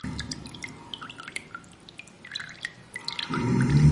Enrique describe el álbum diciendo: "Como nada que haya hecho antes".